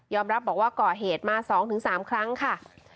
รับบอกว่าก่อเหตุมา๒๓ครั้งค่ะ